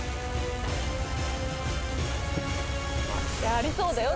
ありそうだよ